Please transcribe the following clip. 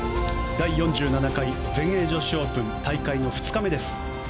第４７回全英女子オープン大会の２日目です。